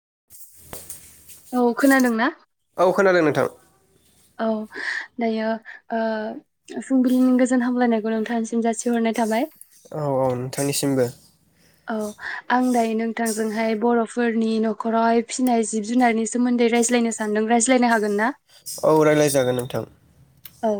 [inaudible] औ खोनादों ना। औ खोनादों नोंथां औ दायो फुंबिलिनि गोजोन हामलायनायखौ नोंथांसिम जासिहरनाय थाबाय। औ-औ नोंथांनिसिमबो। औ आं दायो नोंथांजोंहाय बरफोरनि नखरावहाय फिसिनाय जिब जुनारनि सोमोन्दै रायज्लायनो सानदों रायज्लायनो हागोन ना। औ रायज्लाय जागोन नोंथां। औ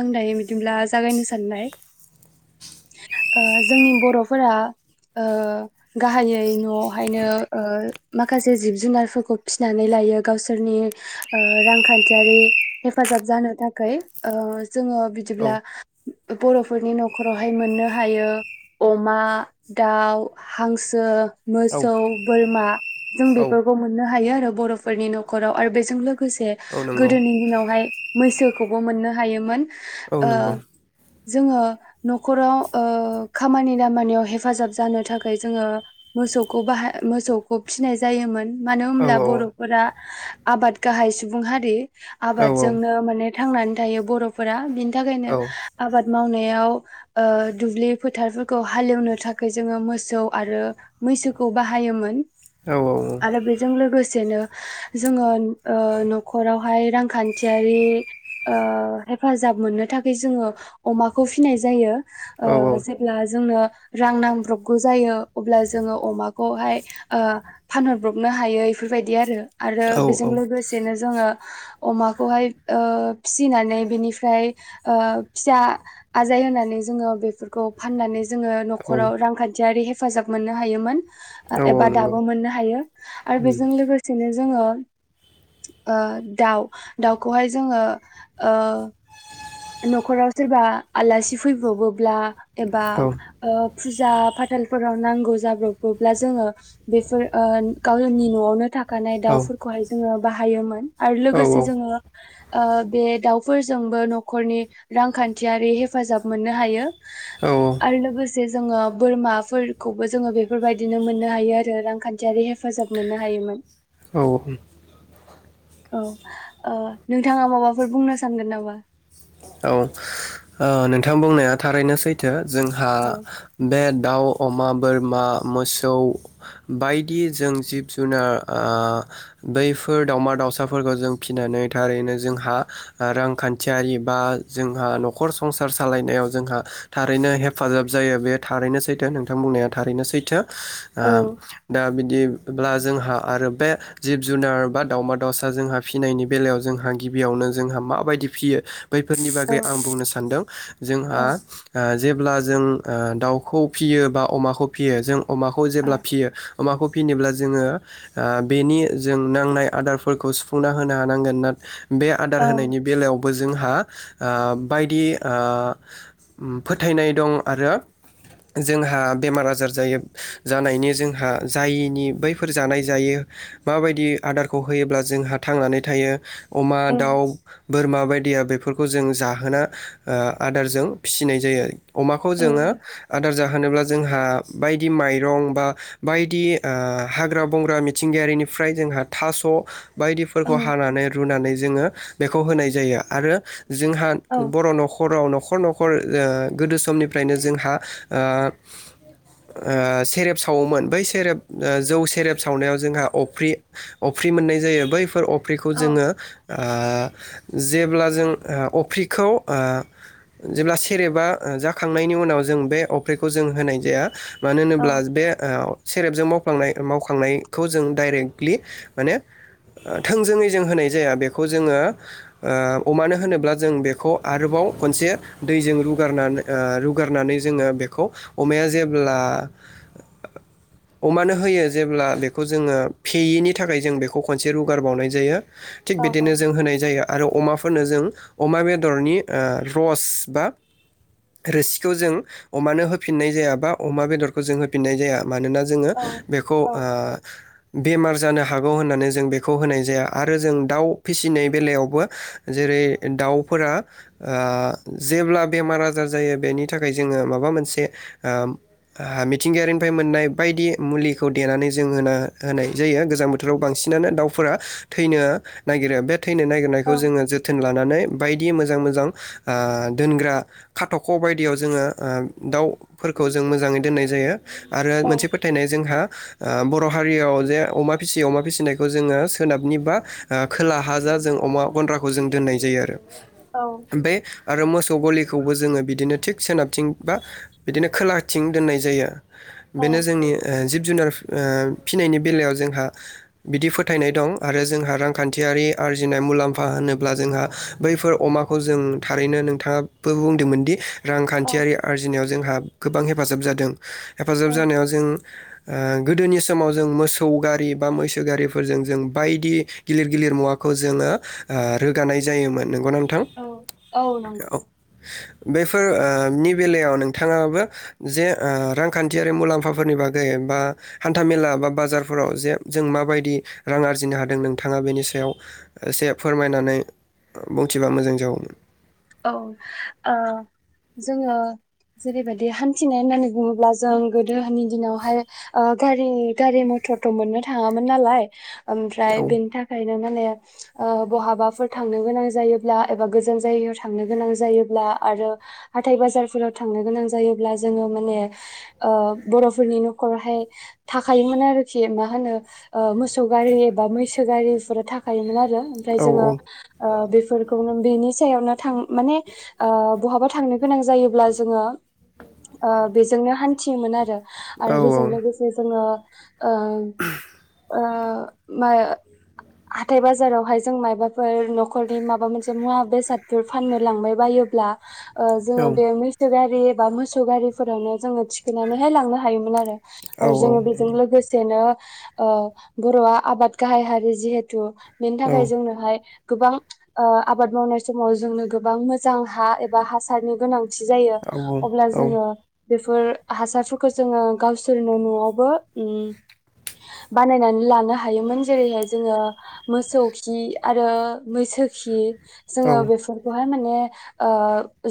आं दायो बिदिब्ला जागायनो सानबाय जोंनि बरफोरा गाहायै नआवहायनो माखासे जिब जुनारफोरखौ फिसिनानै लायो गावसोरनि रांखान्थियारि हेफाजाब जानो थाखाय। जोङो औ बिदिब्ला बरफोरनि नखरावहाय मोननो हायो अमा दाउ हांसो औ मोसौ बोरमा जों औ बेफोरखौ मोननो हायो आरो बरफोरनि नखराव आरो बेजों लोगोसे औ नंगौ गोदोनि दिनावहाय मोसौ। खौबो मोननो हायोमोन औ नंगौ जोङो नखराव खामानि दामानियाव हेफाजाब जानो थाखाय जोङो मोसौखौ बाहाय मोसौखौ फिसिनाय जायोमोन मानो औ होनोमब्ला बर'फोरा आबाद गाहाय सुबुं हारि औ आबादजोंनो माने। थांनानै थायो बरफोरा बिनि थाखायनो औ आबाद मावनायाव दुब्लि फोथारफोरखौ हालेवनो थाख जोङो मोसौ आरो मैसोखौ बाहायोमोन औ आरो बेजों लोगोसेनो जोङो नखरावहाय रांखान्थियारि। हेफाजाब मोननो थाखाय जोङो अमाखौ फिनाय जायो जेब्ला जोंनो रां नांब्रबगौ जायो अब्ला जोङो अमाखौहाय फानहरब्रबनो हायो बेफोरबायदि आरो आरो औ बेजों लोगोसेनो जोङो अमाखौहाय। फिसिनानै बेनिफ्राय फिसा आजाय होनानै जोङो बेफोरखौ फाननानै जोङो नखराव रांखान्थियारि हेफाजाब मोननो हायोमोन औ औ एबा नंगौ दाबो मोननो हायो आरो बेजों औ औ लोगोसेनो जोङो दाउ दाउखौहाय जोङो। औ। नखराव सोरबा आलासि फैब्रबोब्ला एबा फुजा फाथालफोराव नांगौ जाब्रब्ला जोङो बेफोर गावनि नआवनो थाखानाय औ दाउफोरखौहाय जोङो बाहायोमोन आरो लोगोसे जोङो बे दाउफोरजोंबो। नखरनि रांखान्थियारि हेफाजाब मोननो हायो आरो औ लोगोसे जोङो बोरमाफोरखौबो जोङो बेफोरबायदिनो मोननो हायो आरो रांखान्थियारि हेफाजाब मोननो हायोमोन औ औ नोंथाङा माबाफोर बुंनो सानगोन नामा। औ नोंथां बुंनाया थारैनो सैथो। जोंहा औ बे दाउ। अमा, बोरमा, मोसौ बायदि जों जिब जुनार ओ बैफोर दावमा दाउसाफोरखौ जों फिसिनानै थारैनो जोंहा रांखान्थियारि बा जोंहा नखर संसार सालायनायाव जोंहा थारैनो हेफाजाब जायो, बे थारैनो सैथो नोंथां बुंनाया थारैनो सैथो। औ आ दा बि ब्ला जोंहा आरो बे जिब जुनार बा दावमा दाउसा जोंहा फिनायनि बेलायाव जोंहा गिबियावनो जोंहा माबायदि फियो बैफोरनि औ बागै आं बुंनो सान सानदों औ जोंहा जेब्ला जों ओ दाउखौ फियो बा अमाखौ फिसियो जों अमाखौ जेब्ला फियो अमाखौ फिनोब्ला जोङो ओ बेनि जों नांनाय आदारफोरखौ सुफुंना होनो हानांगोन ना बे औ आदार होनायनि बेलायाव बो जोंहा ओ बाय दि ओ फोथायनाय दं आरो जोंहा बेमार आजार जायो जानायनि जोंहा जायैनि बैफोर जानाय जायो माबायदि आदारखौ होयोब्ला जोंहा थांनानै थायो। अमा औ दाउ बोरमा बायदिया बेफोरखौ जों जाहोना ओ आदारजों फिसिनाय जायो। अमाखौ औ जोङो आदार जाहोनोब्ला जोंहा बायदि माइरं बा बायदि आ हाग्रा बंग्रा मिथिंगायारिनिफ्राय जोंहा थास' औ बायदिफोरखौ हानानै रुनानै जोङो बेखौ होनाय जायो आरो जोंहा औ बर' न'खराव न' न'खर न'खर ओ गोदो समनिफ्रायनो जोंहा आ ओ सेरेब सावोमोन बै सेरेब जौ सेरेब सावनायाव जोंहा अफ्रि अफ्रि मोननाय जायो बैफोर अफ फ्रिखौ औ जोङो ओ आ जेब्ला जों आ अफ्रि खौ आ जेब्ला सेरेबा जाखांनायनि उनाव जों बे अफ्रिखौ जों होनाय जाया। मानो औ होनोब्ला बे सेरेबजों मावफ्लांनाय मावखांनायखौ जों डाइरेक्टलि माने थोंजोङै जों होनाय जाया बेखौ जोङो ओ अमानो होनोब्ला जों बे बेखौ आरोबाव खनसे दैजों रुगारनानै रुगारनानै जोङो बेखौ अमाया जेब्ला अमानो होयो जेब्ला बेखौ जोङो फेयैनि थाखाय जों बेखौ खनसे रुगार बावनाय जायो। थिग बिदिनो जों होनाय जायो आरो अमाफोरनो जों अमा बेद बेदरनि ओ रस बा रोसिखौ जों अमानो होफिननाय जाया बा अमा बेदरखौ जों होफिननाय जाया। मानोना जोङो बेखौ आ बेमार जानो हागौ होननानै जों बेखौ होनाय जाया आरो जों दाउ फिसिनाय बेलायावबो जेरै दाउ फोरा ओ जेब्ला बेमार आजार जायो बेनि थाखाय जोङो माबा मोनसे ओ मिथिंगायारिनिफ्राय मोननाय बायदि मुलिखौ देनानै जों होनाय होनाय जायो गोजां बोथोराव बांसिनानो दाउफोरा थैनो नागिरो बे थैनो नागिरनायखौ जोङो जोथोन लानानै बायदि मोजां मोजां आ दोनग्रा खाथख' बायदियाव जोङो ओ दाउफोरखौ जों मोजाङै दोननाय जायो। आरो मोनसे फोथायनाय जोंहा आं बर' हारियाव जे अमा फिसियो अमा फिसिनायखौ जोङो सोनाबनि बा खोला हा जा जों अमा गन्द्राखौ जों दोननाय जायो आरो। बे आरो मोसौ गलिखौबो जोङो बिदिनो थिग सोनाबथिं बा बिदिनो खोला थिं दोननाय जायो। औ बेनो जोंनि जिब जुनार फिनायनि बेलायाव जोंहा बिदि फोथायनाय दं आरो जोंहा रांखान्थियारि आरजिनाय मुलाम्फा होनोब्ला जोंहा बैफोर अमाखौ जों थारैनो नोंथाङाबो बुंदोंमोनदि रांखान्थियारि आरजिनायाव जोंहा गोबां हेफाजाब जादों। हेफाजाब औ जानायाव जों गोदोनि समाव जों मोसौ गारि बा मैसो गारिफोरजों जों बायदि गिलिर गिलिर मुवाखौ जोङो रोगानाय जायोमोन। नोंगना नोंथां औ औ नंगौ औ बेफोरनि बेलायाव नोंथाङाबो जे रांखान्थियारि मुलाम्फाफोरनि बागै बा हान्थामेला बा बाजारफोराव जे जों माबायदि रां आरजिनो हादों नोंथाङा बेनि सायाव एसे फोरमायनानै बुंथिबा मोजां जागौमोन। औ जोङो जेरैबायदि हान्थिनाय होननानै बुङोब्ला जों गोदोनि दिनावहाय गारि गारि मथरथ' मोननो थाङामोन नालाय ओमफ्राय औ बेनिथाखाय बहाबाफोर थांनो गोनां जायोल्बा एबा गोजान जागायाव थांनो गोनां जायोब्ला आरो हाथाय बाजारफोराव थांनो गोनां जायोब्ला जोङो माने बर'फोरनि न'खरावहाय थाखायोमोन आरोखि मा होनो मोसौ गारि एबा मैसो गारि बेफोरो थाखायायोमोन आरो ओमफ्राय औ जोङो बेफोरखौनो बेनि [unintelligible] थां माने बहाबा थांनो गोनां जायोब्ला जोङो बेजोंनो हान मिथियोमोन आरो आरो औ बेजों लोगोसे जोङो ओं ओं हाथाय बाजारावहाय जों मायबाफोर न'खरनि माबा मोनसे मुवा बेसाद फोर फाननो लांबाय बायोब्ला औ जोङो बे मैसो गारि गारि एबा मोसौ गारिफोरावनो जोङो थिखोननानैहाय लांनो हायोमोन आरो आरो जोङो बेजों लोगोसेनो बर'आ आबाद गाहाय हारि जिहेथु बेनि थाखाय जोंनोहाय गोबां ओ आबाद मावनाय समाव जोंनो गोबां मोजां हा एबा हासारनि गोनां जायो अब्ला जोङो बेफोर हासारफोरखौ जोङो गावसोरनो न'आवबो उम बानायनानै लानो हायोमोन जेरैहाय जोङो मोसौखि आरो मैसोखि औ जोङो बेफोरखौ माने ओ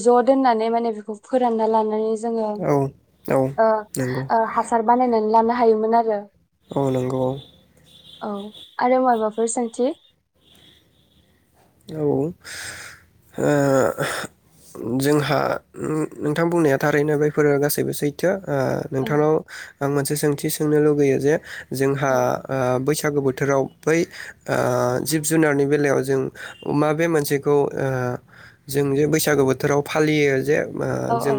ज'दोनानै माने बेखौ फोराना लानानै जोङो औ नंगौ औ औ ओ नंगौ ओ हासार बानायनानै लानो हायोमोन आरो औ नंगौ औ औ आरो माबाफोर सोंथि औ औ [unintelligible] जोंहा नोंथां बुंनाया थारैनो बेफोर गासैबो सैथो ओ औ नोंथांनाव आं मोनसे सोंथि सोंनो लुगैयो जे जोंहा औ ओ बैसागो बोथोर बोथोराव बै ओ जिब जुनारनि बेलायाव जों माबे मोनसेखौ ओ जों जे बैसागु बोथोराव फालियो जे बा औ औ जों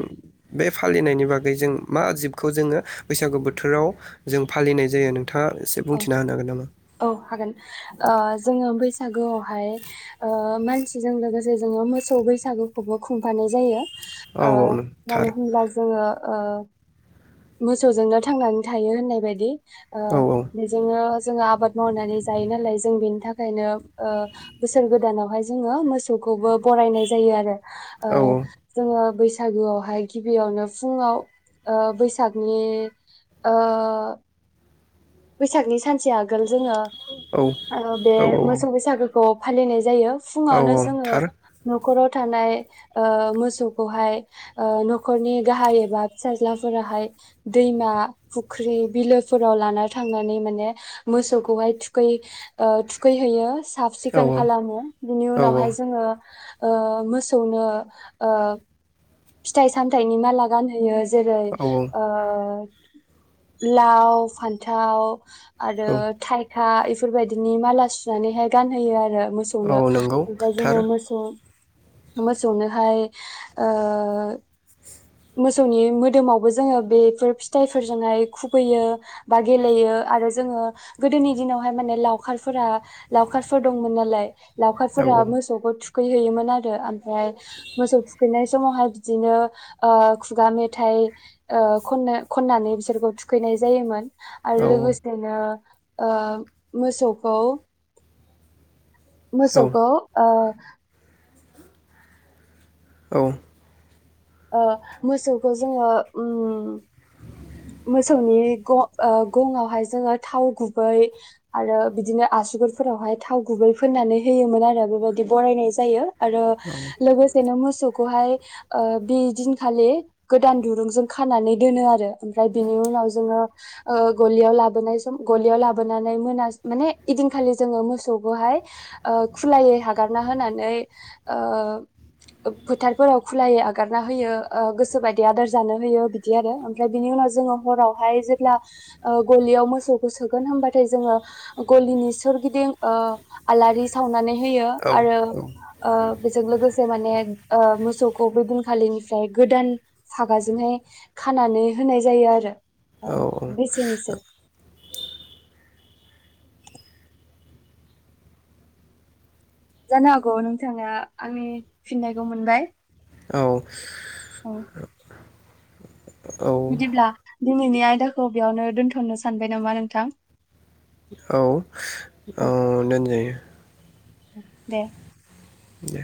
बे फालिनायनि बागै जों मा जिबखौ जोङो बैसागु बोथोराव जों फालिनाय जायो नों औ औ हागोन ओ जोङो बैसागोआवहाय ओ मानसिजों लोगोसे जोङो मोसौ बैसागुखौबो खुंफानाय जायो औ ओ औ नों थार मानो होनब्ला जोङो ओ मोसौजोंल' थांनानै थायो होननाय बायदि औ बेजोंनो जोङो आबाद मावनानै जायो नालाय जों बेनि थाखाय ओंखायनो ओ बोसोर गोदानावहाय जोङो मोसौखौबो बरायनाय जायो आरो ओ औ जोङो बैसाग बैसागुआवहाय गिबियावनो फुङाव ओ बैसाग सागुनि ओ बैसागनि सानसे आगोल जोङो औ ओ बे औ मोसौ बैसागो खौ फालिनाय जायो औ फुङावनो औ जोङो थार न'खाव थानाय ओ मोसौखौहाय ओ न'खरनि गाहाय एबा फिसाज्लाफोराहाय दैमा फुख्रि बिलोफोराव लानानै थां थांनानै माने मोसौखौहाय थुखै ओ थुखैहैयो साफ औ सिखोन औ खालामो बिनि औ औ उनावहाय जोङो ओ मोसौनो ओ फिथाइ सामथायाइनि माला गानहोयो जेरै औ ओ लाव फान्थाव आरो औ था हा इफोरबायदिनि माला सुनानैहाय गानहोयो आरो मोसौनो औ नंगौ ओमफ्राय थार जोङो मोसौ मोसौनोहाय ओ बा मोसौनि मोदोमावबो जोङो बेफोर फिथाइफोरजोंहाय खुबैयो बा गेलेयो आरो जोङो गोदोनि दिनावहाय माने लावखारफोरा लावखारफोर दंमोन नालाय। औ लावखारफोरा मोसौखौ थु थुखैहैयोमोन आरो। आमफ्राय मोसौ थुखैनाय समावहाय बिदिनो ओ खुगा मेथाइ ओ खननो खननानै बिसोरखौ थुखैनाय जायोमोन। आरो औ लोगोसेनो ओ मोसौखौ औ मोसौखौ ओ औ ओ मोसौखौ जोङो ओम मोसौनि गं गंआवहाय जोङो थाव गुबै आरो बिदिनो आसुगुरफोरावहाय थाव गुबै फोननानै होयोमोन आरो बेबायदि बरायनाय जायो आरो औ लोगोसेनो मोसौखौहाय ओ बि दिनखालि गोदान दुरुंजों खानानै दोनो आरो ओमफ्राय बिनि उनाव जोङो ओ गलियाव लाबोनाय सम गलियाव लाबोनानै मोना माने इदिनखालि जोङो मोसौखौहाय ओ खुलायै हागारना होनानै ओ फोथारफोराव खुलायै आग आगारना होयो गोसो बायदि आदार जानो होयो बिदि आरो आमफ्राय बिनि उनाव जोङो हरावहाय जेब्ला गलियाव मोसौखौ सोगोन होबबाथाय जोङो गलिनि सोरगिदिं ओ आलारि सावनानै नै होयो आरो बेजों लोगोसे [unintelligible] माने ओ मोसौखौ बे दिन खालिनिफ्राय गोदान फागाजोंहाय खानानै होनाय जायो आरो। औ ओ जानो हागौ नोंथाङा आंनि फिननायखौ मोनबाय। औ औ औ बिदिब्ला दिनैनि आयदाखौ बेयावनो दोन्थ'नो सानबाय नामा नोंथां? औ औ दोनजायो। दे दे